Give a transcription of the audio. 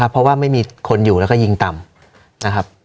เพราะว่าไม่มีคนอยู่แล้วก็ยิงต่ำนะครับ